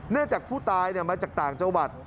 จากผู้ตายมาจากต่างจังหวัด